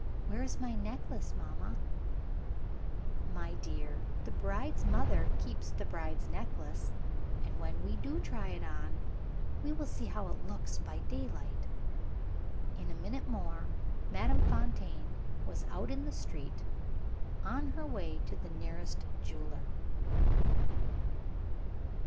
"Where is my necklace, mamma?" "My dear, the bride's mother keeps the bride's necklace and, when we do try it on, we will see how it looks by daylight." In a minute more, Madame Fontaine was out in the street, on her way to the nearest jeweler.